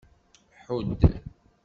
Ḥudd.